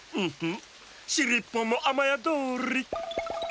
しりっぽんもあまやどり。